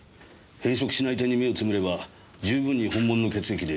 変色しない点に目をつぶれば十分に本物の血液で通用します。